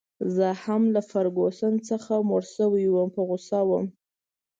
زه هم له فرګوسن څخه موړ شوی وم، په غوسه وم.